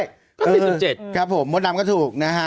ก็๔๗ครับผมมดดำก็ถูกนะฮะ